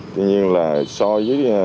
tuy nhiên so với